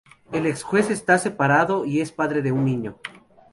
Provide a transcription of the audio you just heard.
El exjuez está separado y es padre de un niño.